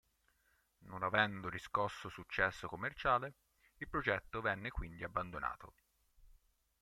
Non avendo riscosso successo commerciale, il progetto venne quindi abbandonato.